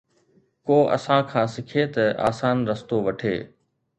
ڪو اسان کان سکي ته آسان رستو وٺي.